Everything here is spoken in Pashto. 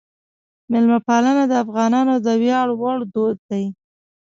میلمهپالنه د افغانانو د ویاړ وړ دود دی.